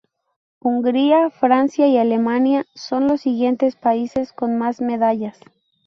Hungría, Francia y Alemania son los siguientes países con más medallas.